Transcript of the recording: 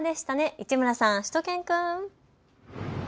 市村さん、しゅと犬くん。